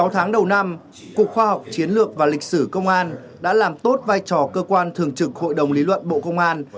sáu tháng đầu năm cục khoa học chiến lược và lịch sử công an đã làm tốt vai trò cơ quan thường trực hội đồng lý luận bộ công an